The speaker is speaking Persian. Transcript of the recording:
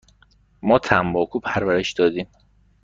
ما تنباکو پرورش دادیم.